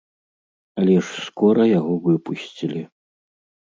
Але ж скора яго выпусцілі.